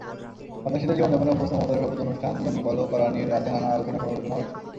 সাদাসিধে জীবনযাপনে অভ্যস্ত মমতার শপথ অনুষ্ঠান জমকালো করা নিয়ে রাজ্যে নানা আলোচনা-সমালোচনাও চলছে।